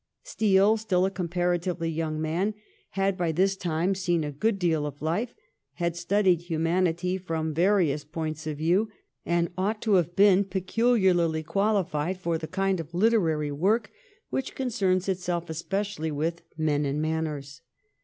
Steele, still a comparatively young man, had by this time seen a good deal of life, had studied humanity from various points of view, and ought to have been peculiarly qualified for the kind of literary work which concerns itself especially with men and manners.